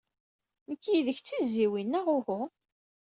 Nekk yid-k d tizzyiwin neɣ uhu?